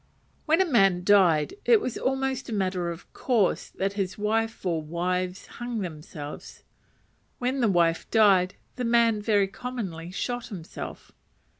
When a man died, it was almost a matter of course that his wife, or wives, hung themselves. When the wife died, the man very commonly shot himself.